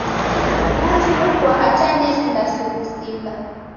Nasukwa hata nesinda sughusika.